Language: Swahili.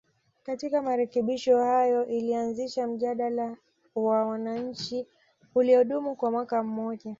Katika marekebisho hayo ilianzisha mjadala wa wananchi uliodumu kwa mwaka mmoja